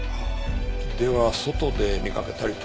では外で見かけたりとかは？